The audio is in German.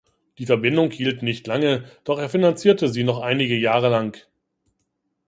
Die Verbindung hielt nicht lange, doch er finanzierte sie noch einige Jahre lang.